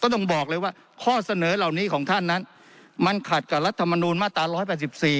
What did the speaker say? ต้องบอกเลยว่าข้อเสนอเหล่านี้ของท่านนั้นมันขัดกับรัฐมนุนมาตร๑๘๔